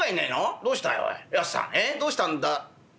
どうしたんだ。